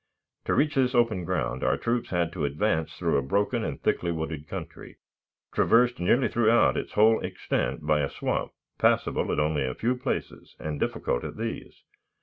To reach this open ground our troops had to advance through a broken and thickly wooded country, traversed nearly throughout its whole extent by a swamp passable at only a few places and difficult at these.